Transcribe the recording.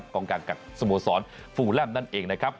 กองการกักสโมสรฟูแลมนั่นเองนะครับ